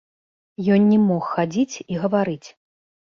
Ён не мог хадзіць і гаварыць.